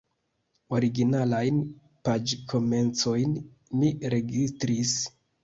Originalajn paĝkomencojn mi registris.